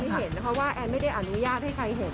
เห็นนะคะว่าแอนไม่ได้อนุญาตให้ใครเห็น